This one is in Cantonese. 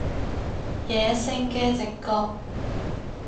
野性嘅直覺